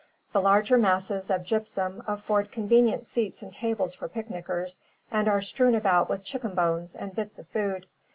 ... 'The larger masses of gypsum afford convenient seats and tables for picnickers, and are strewn about with chicken bones and bits of food.